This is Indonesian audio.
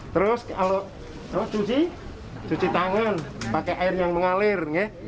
terus cuci tangan pakai air yang mengalir